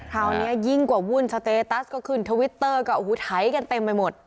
คราวนี้ยิ่งกว่าวุ่นสเตตัสก็ขึ้นทวิตเตอร์ก็โอ้โหไถกันเต็มไปหมด